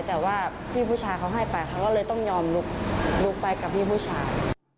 แต่ว่าพี่ผู้ชายเขาให้ไปเขาก็เลยต้องยอมลุกไปกับพี่ผู้ชาย